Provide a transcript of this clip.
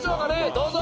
どうぞ！